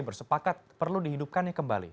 bersepakat perlu dihidupkannya kembali